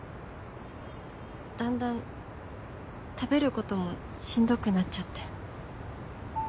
だんだん食べることもしんどくなっちゃって。